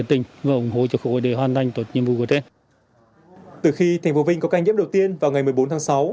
từ khi thành phố vinh có ca nhiễm đầu tiên vào ngày một mươi bốn tháng sáu